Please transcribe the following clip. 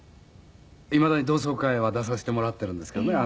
いまだに同窓会は出させてもらっているんですけどね